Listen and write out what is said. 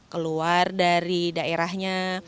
keluar dari daerahnya